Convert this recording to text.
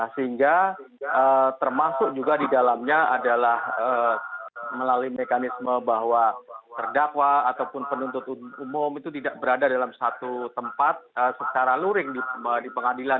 sehingga termasuk juga di dalamnya adalah melalui mekanisme bahwa terdakwa ataupun penuntut umum itu tidak berada dalam satu tempat secara luring di pengadilan